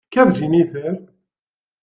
Tekkat Jennifer.